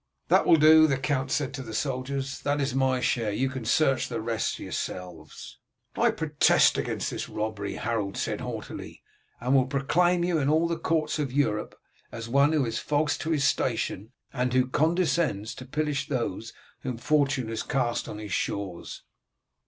"That will do," the count said to the soldiers. "That is my share, you can search the rest yourselves." "I protest against this robbery," Harold said haughtily, "and will proclaim you in all the courts of Europe as one who is false to his station, and who condescends to pillage those whom fortune has cast on his shores."